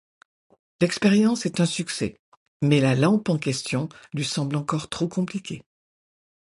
L’expérience est un succès mais la lampe en question lui semble encore trop compliquée.